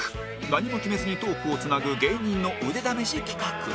何も決めずにトークをつなぐ芸人の腕試し企画